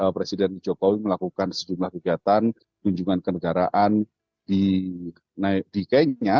presiden jokowi melakukan sejumlah kegiatan kunjungan kenegaraan di kenya